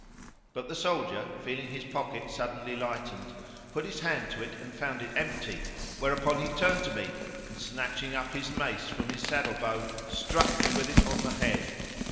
But the soldier, feeling his pocket suddenly lightened, put his hand to it and found it empty; whereupon he turned to me and, snatching up his mace from his saddle bow, struck me with it on the head.